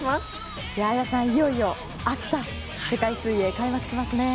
綾さん、いよいよ明日世界水泳開幕しますね。